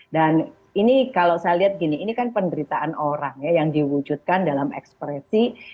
dan ini kalau saya lihat gini ini kan penderitaan orang ya yang diwujudkan dalam ekspresi